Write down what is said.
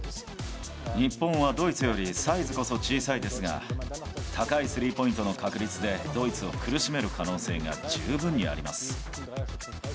日本はドイツよりサイズこそ小さいですが、高いスリーポイントの確率で、ドイツを苦しめる可能性が十分にあります。